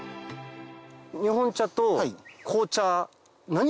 日本茶と紅茶。